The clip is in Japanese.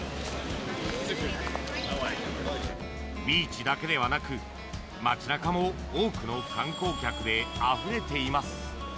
ビーチだけではなく、街中も多くの観光客であふれています。